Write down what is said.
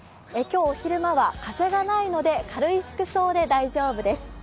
今日お昼間は風がないので、軽い服装で大丈夫です。